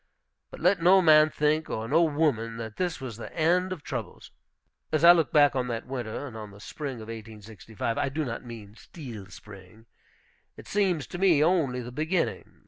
But let no man think, or no woman, that this was the end of troubles. As I look back on that winter, and on the spring of 1865 (I do not mean the steel spring), it seems to me only the beginning.